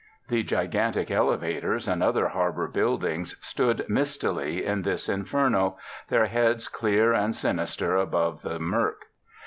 The gigantic elevators and other harbour buildings stood mistily in this inferno, their heads clear and sinister above the mirk.